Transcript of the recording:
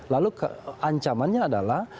lalu ancamannya adalah